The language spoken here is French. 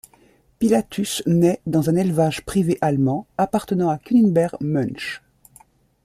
Pilatus naît dans un élevage privé allemand appartenant à Kunibert Münch.